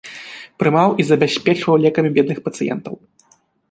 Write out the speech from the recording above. Прымаў і забяспечваў лекамі бедных пацыентаў.